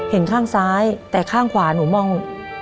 เห็นข้างซ้ายแต่ข้างขวาหนูมอง